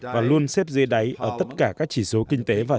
và luôn xếp dây đáy ở tất cả các chỉ số kinh tế và xã hội